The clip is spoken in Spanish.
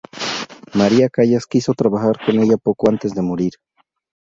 Maria Callas quiso trabajar con ella poco antes de morir.